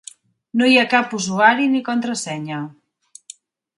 No hi ha cap usuari ni contrasenya.